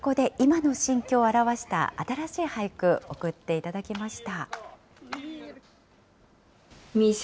そこで今の心境を表した新しい俳句、送っていただきました。